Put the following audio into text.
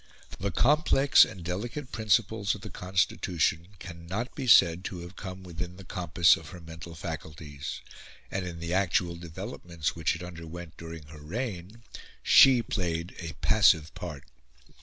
The complex and delicate principles of the Constitution cannot be said to have come within the compass of her mental faculties; and in the actual developments which it underwent during her reign she played a passive part.